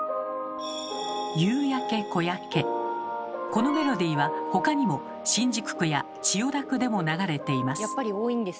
このメロディーは他にも新宿区や千代田区でも流れています。